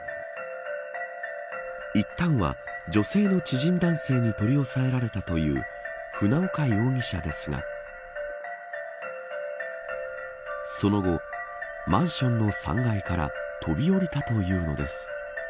いったんは、女性の知人男性に取り押さえられたという船岡容疑者ですがその後、マンションの３階から飛び降りたというのです。